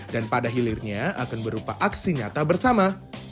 dan pada hilirnya akan berupa aksi nyata bersama